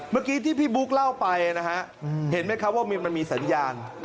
เมื่อกี้ที่พี่บุ๊คเล่าไปนะฮะเห็นไหมครับว่ามันมีสัญญาณ